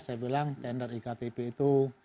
saya bilang tender iktp itu